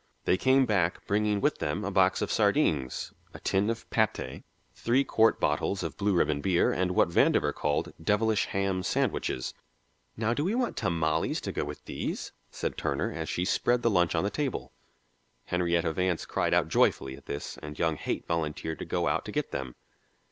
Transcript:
They came back bringing with them a box of sardines, a tin of paté, three quart bottles of blue ribbon beer, and what Vandover called "devilish ham" sandwiches. "Now do we want tamales to go with these?" said Turner, as she spread the lunch on the table. Henrietta Vance cried out joyfully at this, and young Haight volunteered to go out to get them.